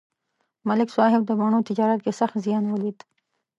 ملک صاحب د مڼو تجارت کې سخت زیان ولید